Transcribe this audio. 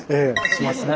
しますね。